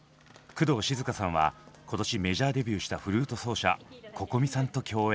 工藤静香さんは今年メジャーデビューしたフルート奏者Ｃｏｃｏｍｉさんと共演。